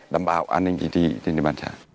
đảm bảo an ninh chính trị trên địa bàn xã